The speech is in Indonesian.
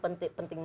ini yang penting